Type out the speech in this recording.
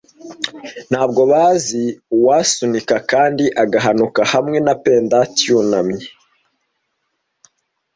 Ntabwo bazi uwasunika kandi agabanuka hamwe na pendant kandi yunamye,